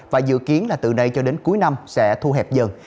và dự kiến là từ đây cho đến cuối năm sẽ thu hẹp dần